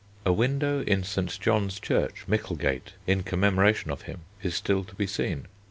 A window in St. John's Church, Micklegate, in commemoration of him is still to be seen.